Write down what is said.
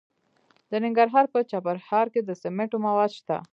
د ننګرهار په چپرهار کې د سمنټو مواد شته.